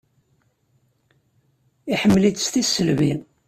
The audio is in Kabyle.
Iḥemmel-itt s tisselbi.